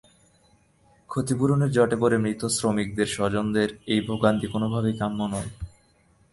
ক্ষতিপূরণের জটে পড়ে মৃত শ্রমিকদের স্বজনদের এই ভোগান্তি কোনোভাবেই কাম্য নয়।